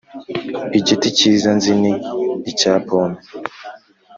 Igiti kiza nzi ni icya pomme